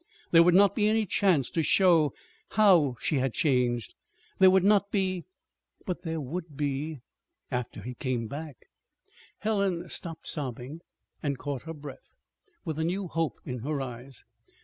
There would not be any chance to show how she had changed. There would not be But there would be after he came back. Helen stopped sobbing, and caught her breath with a new hope in her eyes.